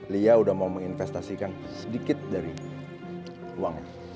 lya udah mau menginvestasikan sedikit dari uangnya